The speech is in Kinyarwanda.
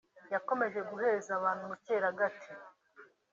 yakomeje guheza abantu mu cyeragati